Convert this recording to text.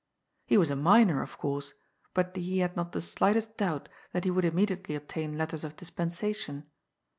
He was a minor, of course, but he had not the slightest doubt that he would immediately obtain letters of dispensa tion.